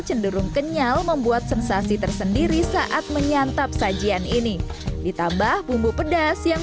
cenderung kenyal membuat sensasi tersendiri saat menyantap sajian ini ditambah bumbu pedas yang